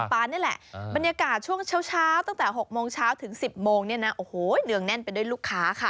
นี่แหละบรรยากาศช่วงเช้าตั้งแต่๖โมงเช้าถึง๑๐โมงเนี่ยนะโอ้โหเนืองแน่นไปด้วยลูกค้าค่ะ